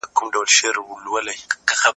د مشرانو مشورې ګټوري وي.